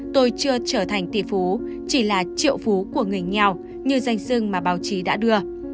tôi chưa trở thành tỷ phú chỉ là triệu phú của người nghèo như danh sưng mà báo chí đã đưa